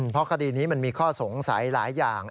เพราะคุณผู้ชายนี้มันมีข้อสงสัยหลายอย่าง